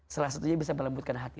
salah satunya bisa melembutkan hati